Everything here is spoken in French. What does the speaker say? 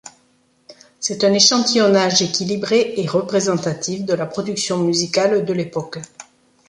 C'est un échantillonnage équilibré et représentatif de la production musicale de l’époque.